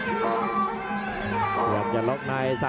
อันนี้พยายามจะเน้นข้างซ้ายนะครับ